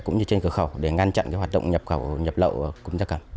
cũng như trên cửa khẩu để ngăn chặn hoạt động nhập lậu